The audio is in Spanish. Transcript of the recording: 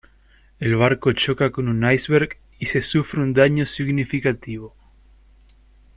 El barco choca con un iceberg y se sufre un daño significativo.